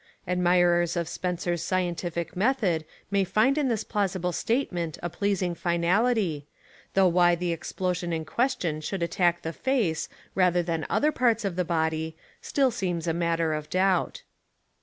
Admirers of Spencer's scientific method may find in this plausible statement a pleasing finality, though why the explosion in question should attack the face rather than other parts of the body still seems a matter of doubt.